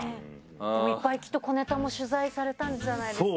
でもいっぱいきっと小ネタも取材されたんじゃないですか？